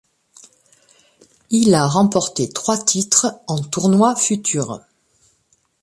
Il a remporté trois titres en tournois Futures.